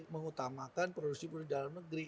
mengutamakan produksi produk dalam negeri